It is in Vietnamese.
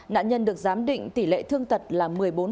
nạn nhân được giám định tỷ lệ thương tật là một mươi bốn